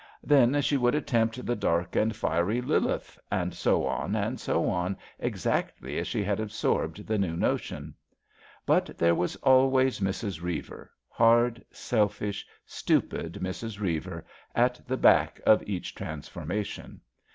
Then she would attempt the dark and fiery Lilith, and so and so on, exactly as she had absorbed the new notion. But there was always Mrs. Reiver — ^hard, selfish, stupid Mrs. Reiver — at the back of each transformation. Mrs.